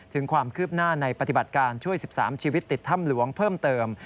ถึงความคืบหน้าในปฏิบัติการช่วย๑๓ชีวิตติดถ้ำหลวงเพิ่มเติม